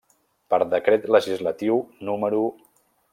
Per decret legislatiu No.